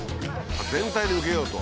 全体で受けようと。